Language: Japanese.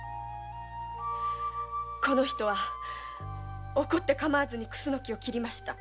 この人は怒ってかまわずに樟を切りました。